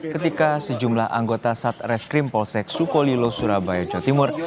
ketika sejumlah anggota satreskrim polsek sukolilo surabaya jawa timur